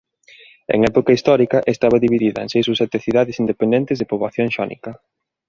En época histórica estaba dividida en seis ou sete cidades independentes de poboación xónica.